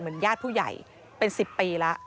เหมือนญาติผู้ใหญ่เป็นสิบปีละ